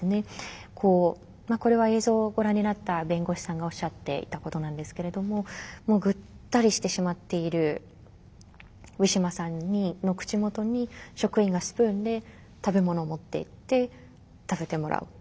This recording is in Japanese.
これは映像をご覧になった弁護士さんがおっしゃっていたことなんですけれどももうぐったりしてしまっているウィシュマさんの口元に職員がスプーンで食べ物を持っていって食べてもらう。